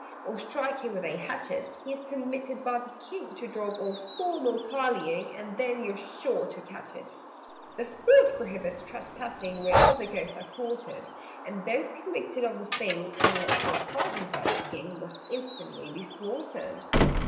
Or strike him with a hatchet, He is permitted by the King To drop all formal parleying And then you're sure to catch it! "The Fourth prohibits trespassing Where other Ghosts are quartered: And those convicted of the thing (Unless when pardoned by the King) Must instantly be slaughtered.